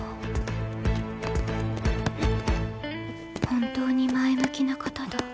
本当に前向きな方だ。